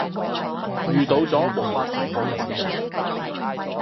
遇到咗無法同步嘅問題